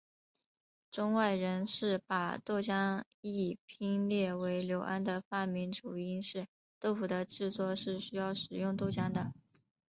中外人士把豆浆一拼列为刘安的发明主因是豆腐的制作是需要使用豆浆的。